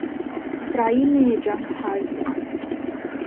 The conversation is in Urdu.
اسرائیل نے یہ جنگ ہار دیا